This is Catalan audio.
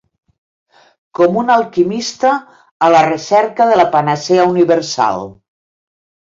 Com un alquimista a la recerca de la panacea universal.